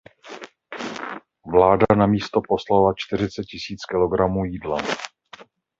Vláda na místo poslala čtyřicet tisíc kilogramů jídla.